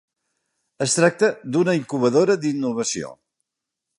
Es tracta d'una incubadora d'innovació.